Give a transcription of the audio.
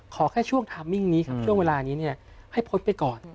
ขอแค่ช่วงทามิ้งนี้ครับช่วงเวลานี้ให้พดไปก่อน